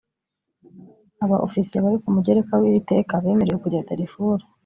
aba ofisiye bari ku mugereka w iri teka bemerewe kujya darifuru